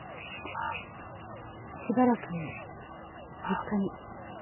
しばらく実家に。